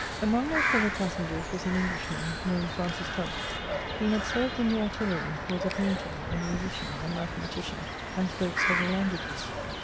Among my feUow«passengers was an Englishman, named Francis Tulloch ; he had served in the artillery, was a painter, a musician, a mathematician, and spoke several languages.